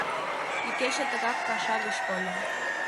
Икече тыгак паша гыч тольо.